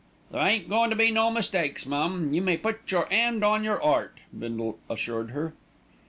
"There ain't goin' to be no mistakes, mum, you may put your 'and on your 'eart," Bindle assured her.